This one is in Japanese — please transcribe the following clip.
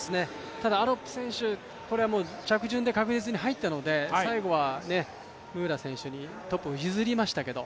ただアロップ選手、着順で確実に入ったので最後はムーラ選手にトップを譲りましたけど。